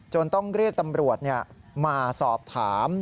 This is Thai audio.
ต้องเรียกตำรวจมาสอบถาม